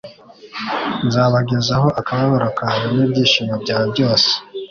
Nzabagezaho akababaro kawe n'ibyishimo byawe byose